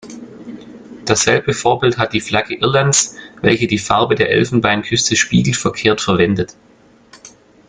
Dasselbe Vorbild hat die Flagge Irlands, welche die Farben der Elfenbeinküste spiegelverkehrt verwendet.